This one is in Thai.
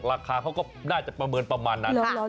ราคาเขาก็น่าจะประเมินประมาณนั้น